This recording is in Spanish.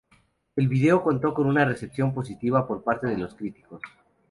El vídeo contó con una recepción positiva por parte de los críticos.